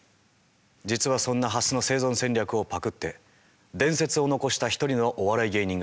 実はそんなハスの生存戦略をパクって伝説を残した一人のお笑い芸人がいます。